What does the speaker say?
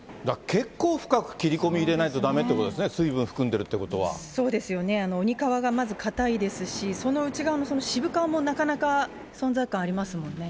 結構深く切り込み入れないとだめってことですね、水分含んでそうですよね、鬼皮がまず堅いですし、その内側のその渋皮もなかなか存在感ありますもんね。